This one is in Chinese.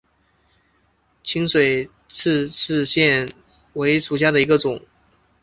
清水氏赤箭为兰科赤箭属下的一个种。